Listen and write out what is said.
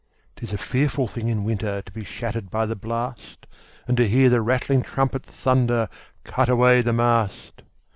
'Tis a fearful thing in winter To be shattered by the blast, And to hear the rattling trumpet Thunder, "Cut away the mast!"